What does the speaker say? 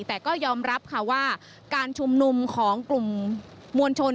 แต่ก็ยอมรับค่ะว่าการชุมนุมของกลุ่มมวลชน